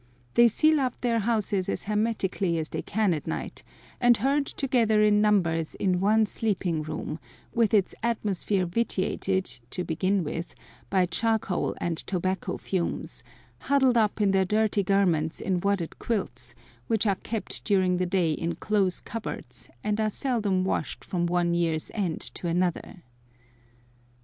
They seal up their houses as hermetically as they can at night, and herd together in numbers in one sleeping room, with its atmosphere vitiated, to begin with, by charcoal and tobacco fumes, huddled up in their dirty garments in wadded quilts, which are kept during the day in close cupboards, and are seldom washed from one year's end to another.